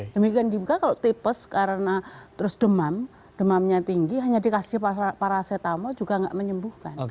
demikian juga kalau tipes karena terus demam demamnya tinggi hanya dikasih paracetamol juga nggak menyembuhkan